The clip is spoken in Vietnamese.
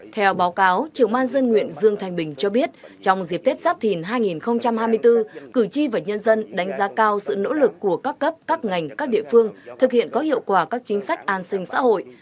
theo báo cáo trưởng man dân nguyện dương thanh bình cho biết trong dịp tết giáp thìn hai nghìn hai mươi bốn cử tri và nhân dân đánh giá cao sự nỗ lực của các cấp các ngành các địa phương thực hiện có hiệu quả các chính sách an sinh xã hội